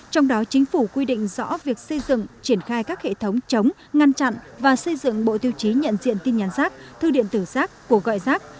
trong đó chính phủ quy định rõ việc xây dựng triển khai các hệ thống chống ngăn chặn và xây dựng bộ tiêu chí nhận diện tin nhắn rác thư điện tử rác cuộc gọi rác